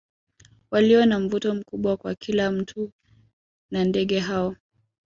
Walio na mvuto mkubwa kwa kila mtu na ndege hao